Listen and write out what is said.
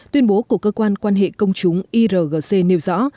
tuyên bố của cơ quan quan hệ công chúng irgc nêu rõ